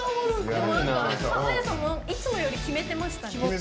濱家さんもいつもより決めてましたね。